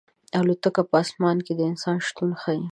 الوتکه په اسمان کې د انسان شتون ښيي.